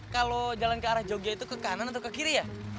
kalau jalan ke arah jogja itu ke kanan atau ke kiri ya